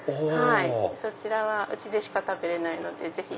そちらはうちでしか食べれないのでぜひ。